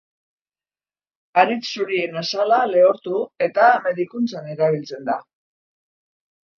Haritz zurien azala lehortu eta medikuntzan erabiltzen da.